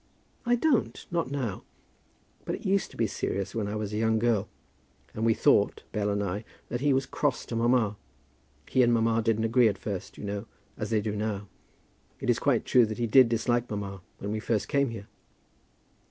"I don't, not now. But it used to be serious when I was a young girl. And we thought, Bell and I, that he was cross to mamma. He and mamma didn't agree at first, you know, as they do now. It is quite true that he did dislike mamma when we first came here."